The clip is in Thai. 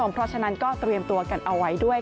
เพราะฉะนั้นก็เตรียมตัวกันเอาไว้ด้วย